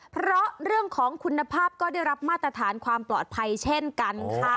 เพราะเรื่องของคุณภาพก็ได้รับมาตรฐานความปลอดภัยเช่นกันค่ะ